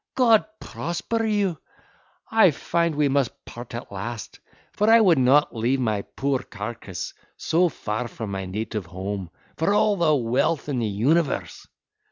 God prosper you—I find we must part at last—for I would not leave my poor carcase so far from my native home, for all the wealth of the universe!"